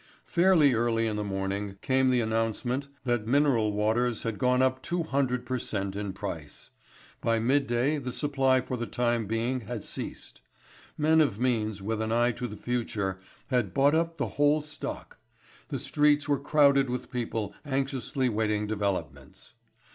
Fairly early in the morning came the announcement that mineral waters had gone up two hundred per cent. in price. By midday the supply for the time being had ceased. Men of means with an eye to the future had bought up the whole stock. The streets were crowded with people anxiously waiting developments.